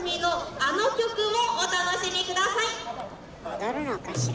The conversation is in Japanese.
踊るのかしら？